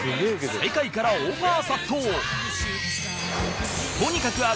世界からオファー殺到！